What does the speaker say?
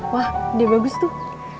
wah dia bagus tuh